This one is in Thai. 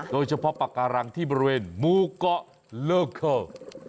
โดยเฉพาะปาการังที่บริเวณหมู่เกาะโลคอล์